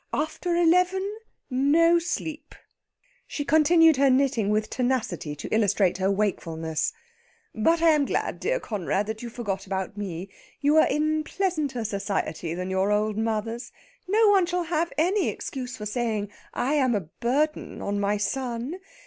After eleven no sleep!" She continued her knitting with tenacity to illustrate her wakefulness. "But I am glad, dear Conrad, that you forgot about me. You were in pleasanter society than your old mother's. No one shall have any excuse for saying I am a burden on my son.